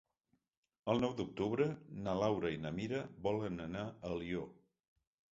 El nou d'octubre na Laura i na Mira volen anar a Alió.